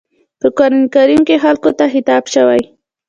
په قرآن کريم کې خلکو ته خطاب شوی.